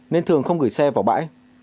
nên thường không gửi xe vào bãi